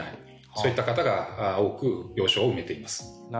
そういった方が多く病床を埋めています。